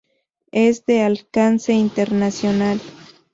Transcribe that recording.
Es de alcance internacional.